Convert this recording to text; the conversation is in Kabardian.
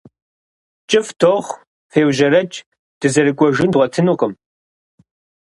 КӀыфӀ дохъу, феужьрэкӏ, дызэрыкӏуэжын дгъуэтынукъым.